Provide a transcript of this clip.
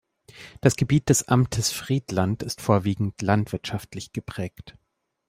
Das Gebiet des Amtes Friedland ist vorwiegend landwirtschaftlich geprägt.